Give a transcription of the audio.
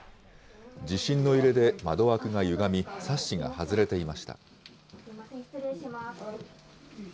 地震の揺れで窓枠がゆがみ、サッシが外れていました。